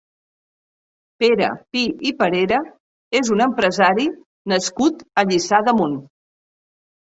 Pere Pi i Parera és un empresari nascut a Lliçà d'Amunt.